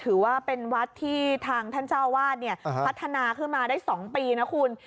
ถือว่าเป็นวัดที่ทางท่านเจ้าวาดพัฒนาขึ้นมาได้๒ปีนะคุณ